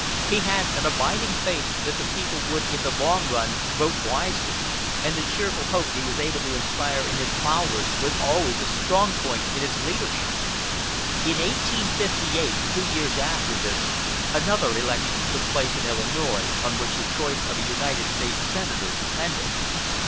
He had an abiding faith that the people would in the long run vote wisely; and the cheerful hope he was able to inspire in his followers was always a strong point in his leadership. In 1858, two years after this, another election took place in Illinois, on which the choice of a United States senator depended.